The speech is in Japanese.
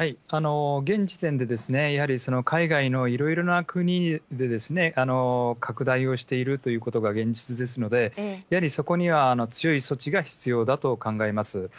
現時点でやはり海外のいろいろな国で拡大をしているということが現実ですので、やはりそこには強い措置が必要だと考えます。